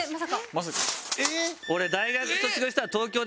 まさか。